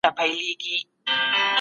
زه له تېرې اونۍ راهیسې په کار بوخت یم.